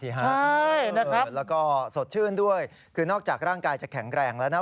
ใช่ฮะแล้วก็สดชื่นด้วยคือนอกจากร่างกายจะแข็งแรงแล้วนะ